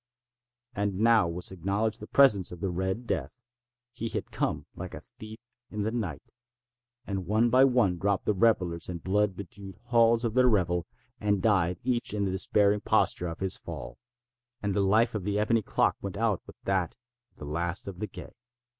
And now was acknowledged the presence of the Red Death. He had come like a thief in the night. And one by one dropped the revellers in the blood bedewed halls of their revel, and died each in the despairing posture of his fall. And the life of the ebony clock went out with that of the last of the gay.